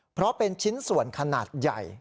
เพราะเป็นชิ้นส่วนขนาดใหญ่